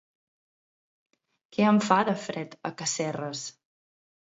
Que en fa de fred, a Casserres!